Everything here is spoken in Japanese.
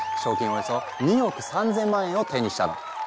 およそ２億３，０００万円を手にしたの。